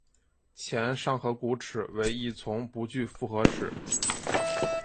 前上颌骨齿为一丛不具复合齿。